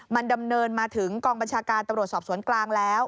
มันดำเนินมาถึงกองบัญชาการตำรวจสอบสวนกลางแล้ว